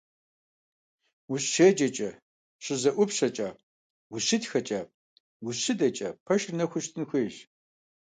УщеджэкӀэ, щызэӀупщэкӀэ, ущытхэкӀэ, ущыдэкӀэ пэшыр нэхуу щытын хуейщ.